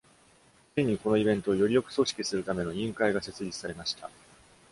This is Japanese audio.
ついに、このイベントをよりよく組織するための委員会が設立されました。